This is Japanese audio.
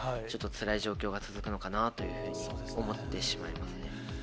ちょっとつらい状況が続くのかなというふうに思ってしまいますね。